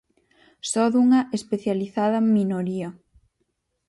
Só dunha especializada minoría.